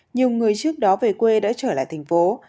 nhiều người trước đó về quê đã trở lại thành phố